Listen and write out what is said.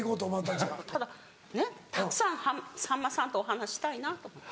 ただねったくさんさんまさんとお話ししたいなと思って。